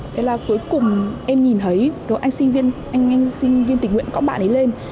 thế là cuối cùng em nhìn thấy anh sinh viên tình nguyện cõng bạn ấy lên